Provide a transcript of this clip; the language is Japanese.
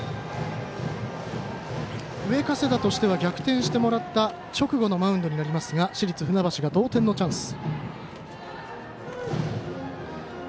上加世田としては逆転してもらった直後のマウンドになりますが市立船橋が同点のチャンス。